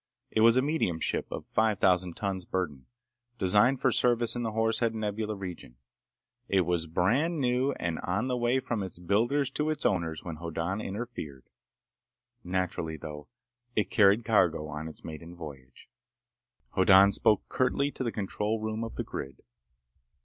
It was a medium ship of five thousand tons burden, designed for service in the Horsehead Nebula region. It was brand new and on the way from its builders to its owners when Hoddan interfered. Naturally, though, it carried cargo on its maiden voyage. Hoddan spoke curtly to the control room of the grid.